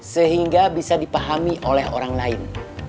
sehingga bisa dipahami oleh orang lain